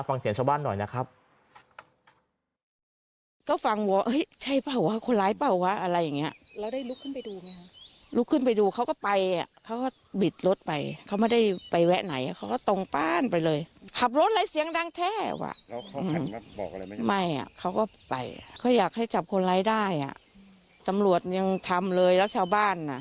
ฟังเสียงชาวบ้านหน่อยนะครับ